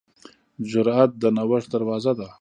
جرأت د نوښت دروازه ده.